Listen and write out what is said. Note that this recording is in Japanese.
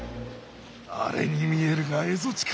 あれに見えるが蝦夷地か！